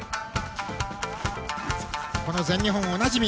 この全日本、おなじみ。